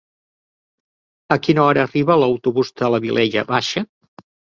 A quina hora arriba l'autobús de la Vilella Baixa?